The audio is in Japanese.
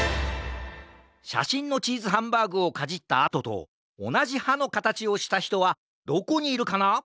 しゃしんのチーズハンバーグをかじったあととおなじはのかたちをしたひとはどこにいるかな？